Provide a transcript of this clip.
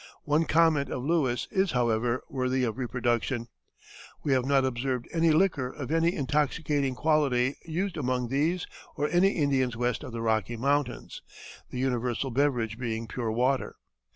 One comment of Lewis, is, however, worthy of reproduction. "We have not observed any liquor of an intoxicating quality used among these or any Indians west of the Rocky Mountains, the universal beverage being pure water.